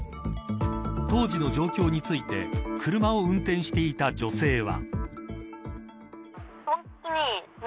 当時の状況について車を運転していた女性は。